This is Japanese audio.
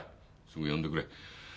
すぐ呼んでくれ。